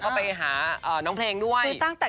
ก็ไปหาน้องเพลงด้วย